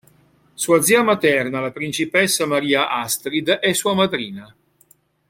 Sua zia materna, la Principessa Maria Astrid, è sua madrina.